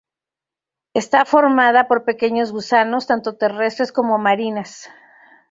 Está formada por pequeños gusanos tanto terrestres como marinas.